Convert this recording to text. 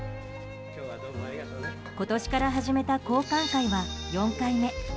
今年から始めた交換会は４回目。